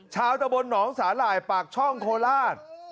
ตะบนหนองสาหร่ายปากช่องโคราช